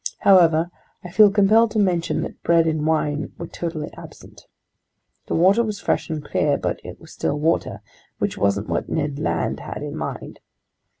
However, I feel compelled to mention that bread and wine were totally absent. The water was fresh and clear, but it was still water—which wasn't what Ned Land had in mind.